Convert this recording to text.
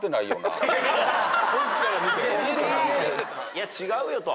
いや違うよと。